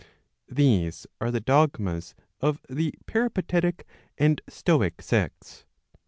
These are the dogmas of the Peripa¬ tetic and Stoic sects.